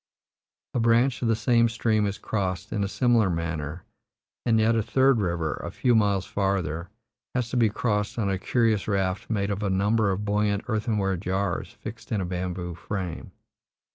A branch of the same stream is crossed in a similar manner, and yet a third river, a few miles farther, has to be crossed on a curious raft made of a number of buoyant earthenware jars fixed in a bamboo frame.